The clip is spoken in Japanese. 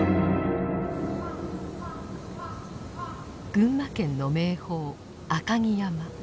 群馬県の名峰赤城山。